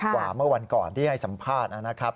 กว่าเมื่อวันก่อนที่ให้สัมภาษณ์นะครับ